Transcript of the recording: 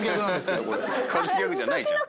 カツギャグじゃないじゃん。